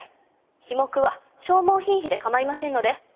費目は消耗品費で構いませんので。